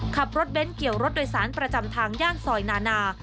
ขับรถเบ้นเกี่ยวรถโดยสารประจำทางย่านซอยนานา